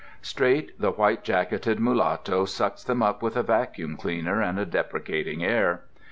Straight the white jacketed mulatto sucks them up with a vacuum cleaner and a deprecating air.